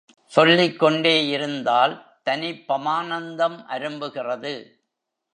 சொல்லிக் கொண்டேயிருந்தால் தனிப் பமானந்தம் அரும்புகிறது.